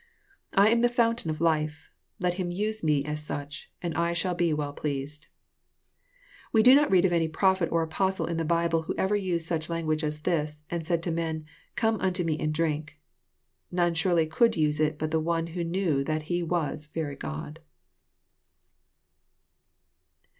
I am the fountain of life. Let him use me as such, and I shall be well pleased." We do not read of any prophet or Apostle in the Bible who ever used such language as this, and said to men, *^ Come unto me and drink." None surely could use it but one who knew that He was very God.